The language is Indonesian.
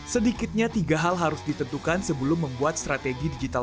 sedikitnya tiga hal harus ditentukan sebelum membuat strategi digital